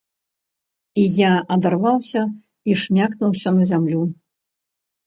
І я адарваўся і шмякнуўся на зямлю.